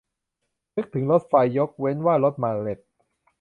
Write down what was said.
นึกถึงรถไฟ ยกเว้นว่ารถมาเลต